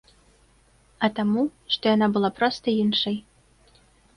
А таму, што яна была проста іншай.